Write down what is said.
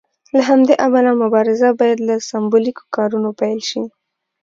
له همدې امله مبارزه باید له سمبولیکو کارونو پیل شي.